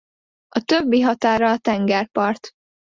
A többi határa a tengerpart.